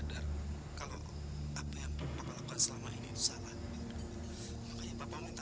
dari dulu marah marah gak jelas kayak gitu